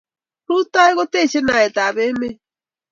rutoi kotechei naetab emet